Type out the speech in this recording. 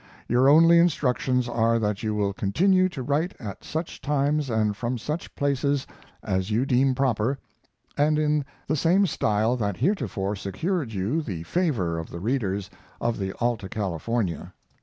Your only instructions are that you will continue to write at such times and from such places as you deem proper, and in the same style that heretofore secured you the favor of the readers of the Alta California.